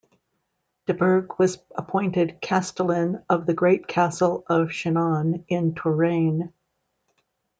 De Burgh was appointed castellan of the great castle of Chinon in Touraine.